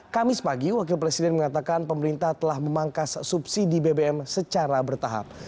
kamis pagi wakil presiden mengatakan pemerintah telah memangkas subsidi bbm secara bertahap